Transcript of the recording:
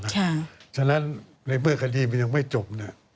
เงินจำนวนมากฉะนั้นในเมื่อคดีมันยังไม่จบ